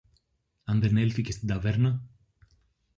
αν δεν έλθει και στην ταβέρνα;